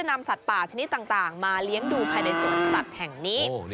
นำสัตว์ป่าชนิดต่างมาเลี้ยงดูภายในสวนสัตว์แห่งนี้